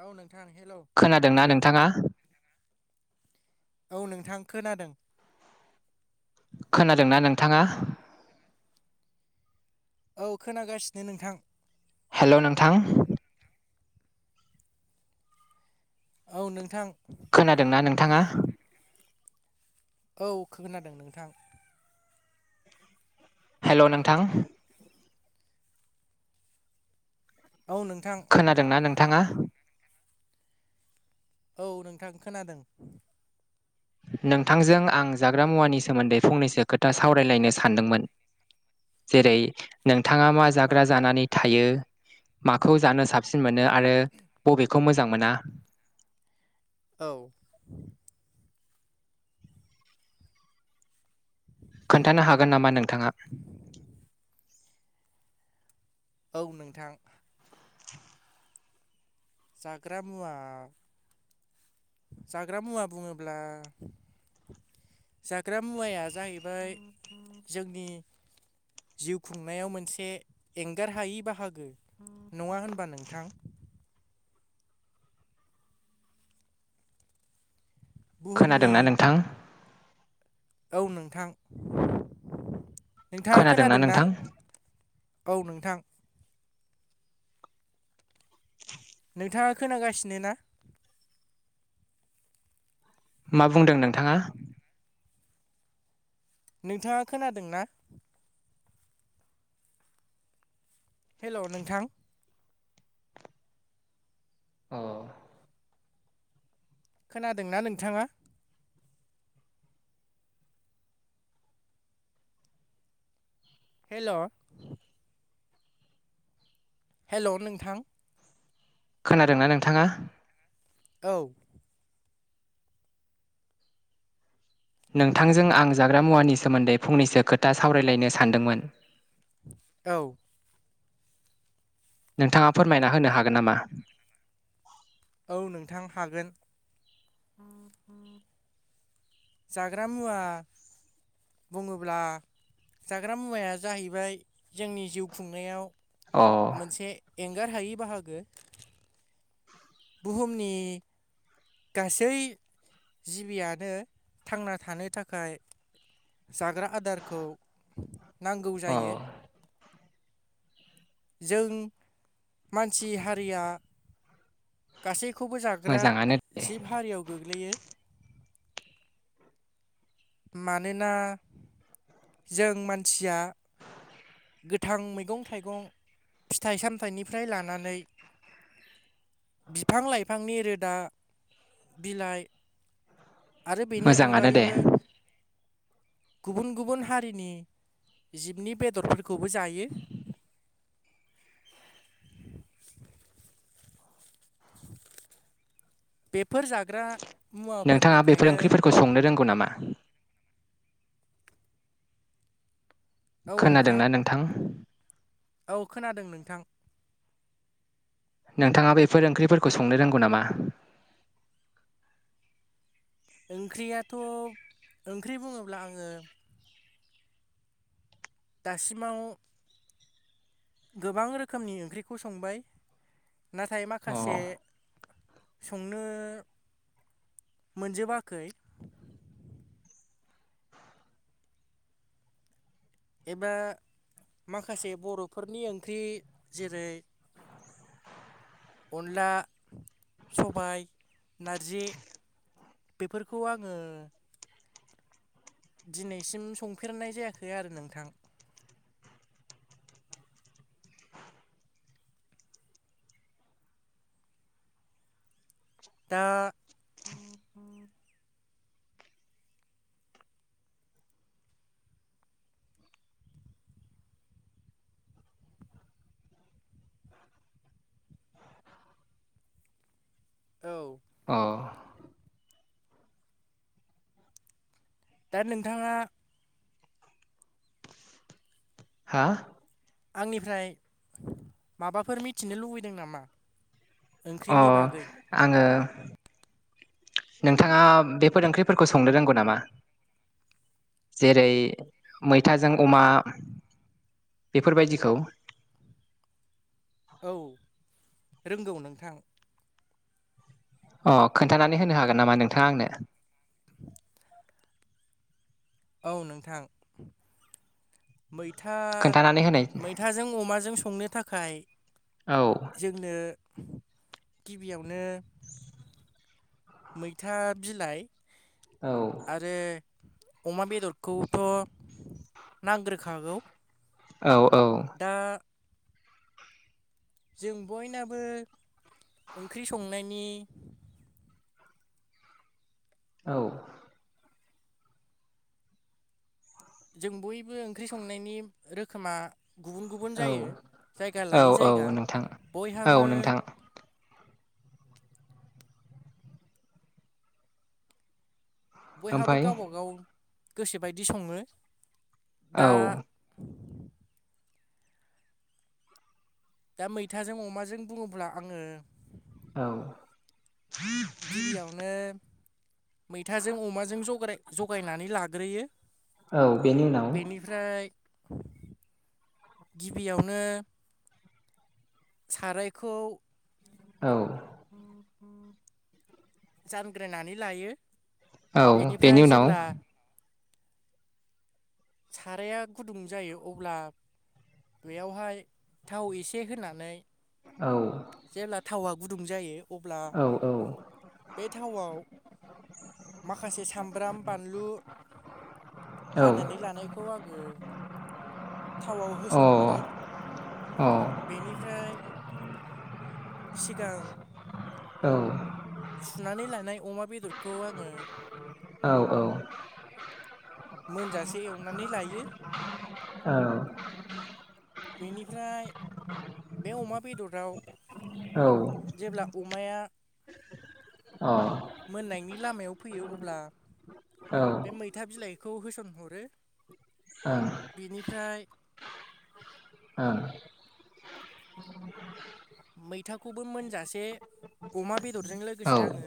ओ नों खोनादोंना नोंथांङा औ नोंथां खोनादों खोनादोंना नोंथाङा औ खोनागासिनो नोंथां हेल' नोंथां औ नोंथां खोनादोंना नोंथाङा औ खोनादों नोंथां हेल' नोंथां औ नोंथां खोनादोंना नोंथाङा औ नोंथां खोनादों नोंथांजों आं जाग्रा मुवानि सोमोन्दै फंनैसो खोथा सावरायलायनो सानदोंमोन जेरै नोंथाङा मा औ जाग्रा जानानै थायो माखौ जानो साबसिन मोनो आरो बबेखौ मोजां मोना औ खोन्थानो हागोन नामा नोंथाङा औ नोंथां। जाग्रा मुवा जाग्रा मुवा बुङोब्ला जाग्रा मुवाया जाहैबाय जोंनि जिउ खुंनायाव मोनसे एंगार हायि बाहागो नङा होनबा नोंथां [inaudible] बुहुमनि खोनादोंना नोंथां औ नोंथां नोंथाङा खोनादोंना औ नोंथां [inaudible] नोंथाङा खोनागासिनो ना मा बुंदों नोंथाङा नोंथाङा खोनादोंना? हेल' नोंथां। औ खोनादोंना नोंथाङा। हेलौ हेल' नोंथां। खोनादोंना नोंथाङा औ नोंथांजों आं जाग्रा मुवानि सोमोन्दै फंनैसो खोथा सावरायलायनो सानदोंमोन। औ। नोंथाङा फोरमायना होनो हागोन नामा? औ नोंथां हागोन। जाग्रा मुवा बुङोब्ला जाग्रा मुवाया जाहैबाय जोंनि जिउ खुंनायाव अ मोनसे एंगार हायि बाहागो बुहुमनि गासै जिबियानो थांना थानो थाखाय जाग्रा आदारखौ नांगौ अ जायो। जों मानसि हारिया गासै खौबो जाग्रा मोजाङानो जिब हारियाव गोग्लैयो। मानोना जों मानसिया गोथां मैगं थाइगं फिथाइ सामथाइनिफाय लानानै बिफां लाइफांनि रोदा बिलाइ आरो बिनि मोजाङानो दे अनगायैबो गुबुन गुबुन हारिनि जिबनि बेदरफोरखौ खौबो जायो। पे [unintelligible] नोंथाङा बेफोर ओंख्रिफोरखौ संनो रोंगौ नामा? खोनादोंना नोंथां। औ खोनादों नोंथां। नोंथाङा बेफोर ओंख्रिफोरखौ संनो रोंगौ नामा? ओंख्रियाथ' ओंख्रि बुङोब्ला आङो दासिमाव गोबां रोखोमनि ओंख्रिखौ संबाय नाथाय अ माखासे संनो मोनजोबाखै एबा माखासे बर'फोरनि ओंख्रि जेरै अनला, सबाय, नारजि बेफोरखौ आङो दिनैसिम संफेरनाय जायाखै आरो नोंथां। ओ [unintelligible] औ औ दा नोंथाङा हा आंनिफ्राय माबाफोर मिथिनो लुबैदों नामा? अ ओंख्रिनि बागै आङो नोंथाङा बेफोर ओंख्रिफोरखौ संनो रोंगौ नामा? जेरै मैथाजों अमा बेफोर बायदिखौ औ रोंगौ नोंथां। अ खोन्थानानै होनो हागोन नामा नोंथाङा आंनो। [inaudible] औ नोंथां। मैथा खोन्थानानै होनाय मैथाजों अमाजों संनो थाखाय। औ जोंनो गिबियावनो। मैथा बिलाइ। औ आरो अमा बेदरखौथ' नांग्रोखागौ। औ औ। दा जों बयनाबो ओंख्रि संनायनि‌। औ। जों बयबो ओंख्रि संनायनि रोखोमा। गुबुन गुबुन औ जायो जायगा औ लायै जायगा नोंथां औ बयहाबो। नोंथां बयहाबो ओमफाय गावबागाव गोस बायदि संङो। औ। दा मैथाजों अमाजों बुङोब्ला आङो। औ। गिबियावनो मैथाजों अमाजों जग जगायनानै लाग्रोयो। औ बेनि उनाव। बेनिफ्राय गिबियावनो सारायखौ औ। जानग्रोनानै लायो। औ बेनिफ्राय बेनि उनाव। जेब्ला साराया गुदुं जायो अब्ला। बेयावहाय थाव एसे होनानै। औ जेब्ला थावा गुदुं जायो। अब्ला औ औ। बे थावआव माखासे सामब्राम, बानलु। औ हानानै लानायखौ आङो। थावआव अ औ होसनहरो औ बेनिफ्राय। सिगां औ। सुनानै लानाय अमा बेदरखौ आङो। औ औ। मोनजासे एवनानै लायो। औ। बेनिफ्राय बे अमा बेदराव। औ अ औ जेब्ला अमाया। मोननायनि लामायाव फैयो अब्ला। ओं ओं बे मैथा बिलाइखौ होसनहरो। बेनिफ्राय। मैथाखौबो मोनजासे अमा बेदरजों लोगोसे आङो।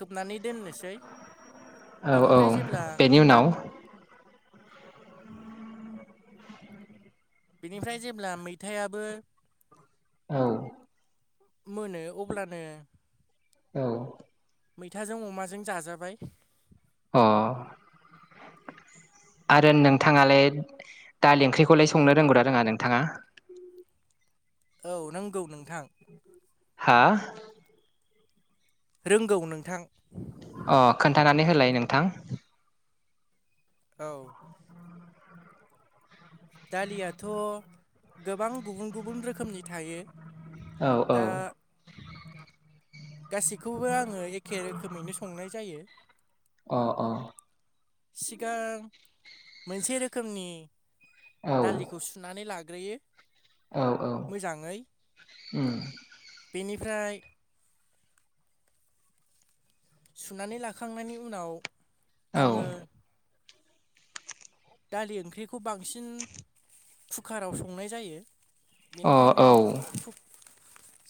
खोबनानै दोननोसै औ औ बिनि। औ फ्राय जेब्ला बेनि उनाव बेनिफ्राय जेब्ला मैथायाबो। औ मोनो अब्लानो। औ मैथाजों अमाजों जा जाबाय अ आरो नोंथाङालाय दालि ओंख्रिखौलाय संनो रोंगौना रोङा नोंथाङा? औ रोंगौ नोंथां। हा रोंगौ नोंथां। अ खोन्थानानै होलाय नोंथां। औ दालियाथ' गोबां गुबुन गुबुन रोखोमनि थायो। औ दा औ गासैखौबो आङो एखे रोखोमैनो संनाय जायो। अ सिगां मोनसे रोखोमनि औ दालिखौ सुनानै लाग्रोयो औ औ मोजाङै बेनिफ्राय सुनानै लाखांनायनि उनाव आङो औ दालि ओंख्रिखौ बांसिन कुकाराव संनाय जायो अ औ बेनिखायनो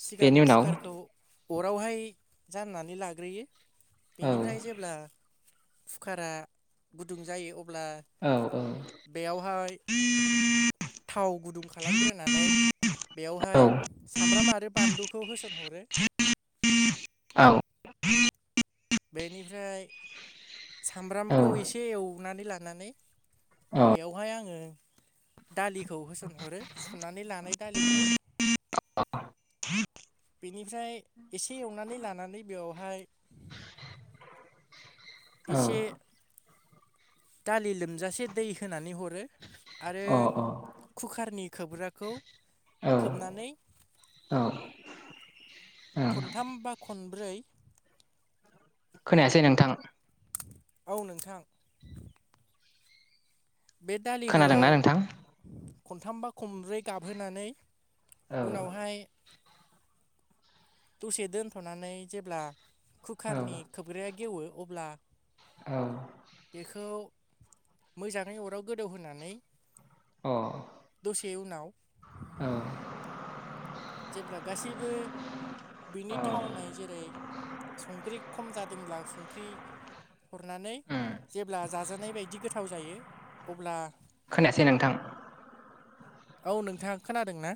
सिगां बेनि उनाव खुकारखौ अरावहाय जाननानै लाग्रोयो औ बेनिफ्राय जेब्ला खुकारा गुदुं जायो अब्ला औ औ बेयावहाय थाव गुदुं खालामग्रोनानै औ बेवहाय सामब्राम आरो बानलुखौ होसनहरो औ बेनिफ्राय सामब्रामखौ एसे एवनानै लानानै बेयावहाय आङो दालिखौ होसनहरो सुनानै लानाय दालिखौ आ बेनिफ्राय एसे एवनानै लानानै बेवहाय एसे दालि लोमजासे दै होनानै हरो आरो कुकारनि खोबग्राखौ अ औ खोबनानै औ ओं खनथाम बा खनब्रै खोनायासै नोंथां। औ नोंथां। बे दालिखौ खोनादोंना नोंथां खनथामबा खनब्रै गाबहोनानै औ उनावहाय [inaudible] दसे दोनथ'नानै जेब्ला औ कुकारनि खोबग्राया गेवो अब्ला औ अ बेखौ मोजांङै अराव गोदौहोनानै औ दसे उनाव अ जेब्ला गासैबो बिनि थावनाय जेरै संख्रि खम जादोंब्ला संख्रि हरनानै उम जेब्ला जाजानाय बायदि गोथाव जायो अब्ला खोनायासै नोंथां। औ नोंथांङा खोनादों ना